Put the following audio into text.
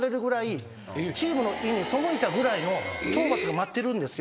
チームの意に背いたぐらいの懲罰が待ってるんですよ。